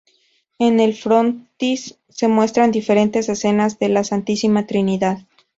En el frontis se muestran diferentes escenas de la Santísima Trinidad.